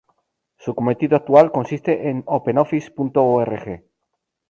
Su cometido actual consiste en OpenOffice.org.